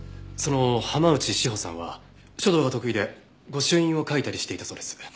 その浜内詩帆さんは書道が得意で御朱印を書いたりしていたそうです。